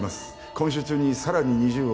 今週中にさらに２０億